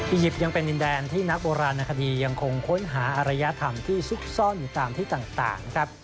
ยิปต์ยังเป็นดินแดนที่นักโบราณนาคดียังคงค้นหาอรยธรรมที่ซุกซ่อนอยู่ตามที่ต่างนะครับ